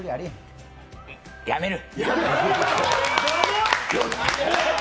やめる！